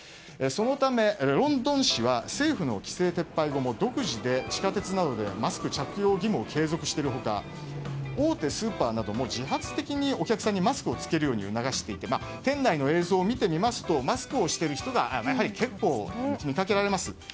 そのため、ロンドン市は政府の規制撤廃後も独自で地下鉄などではマスク着用義務を継続している他大手スーパーなども自発的にお客さんにマスクを着けるよう促していて店内の映像を見てみますとマスクをしている人が結構見かけられます。